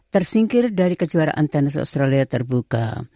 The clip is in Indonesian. tersingkir dari kejuaraan tenis australia terbuka